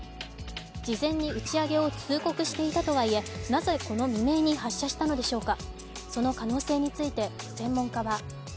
事前に打ち上げを通告していたとはいえ、なぜ、この未明に発射したのでしょうか。